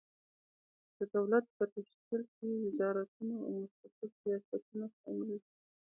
د دولت په تشکیل کې وزارتونه او مستقل ریاستونه شامل دي.